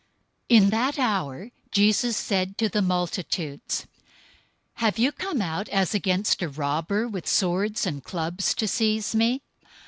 026:055 In that hour Jesus said to the multitudes, "Have you come out as against a robber with swords and clubs to seize me?